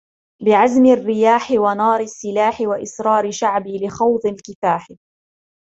بعزم الرياح ونار السلاح وإصرار شعبي لخوض الكفاح